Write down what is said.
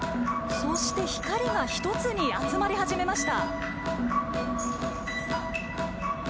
そして光が１つに集まり始めました。